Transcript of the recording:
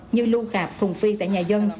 như lưu khạp hùng phi tại nhà dân